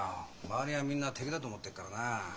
周りはみんな敵だと思ってっからなあ。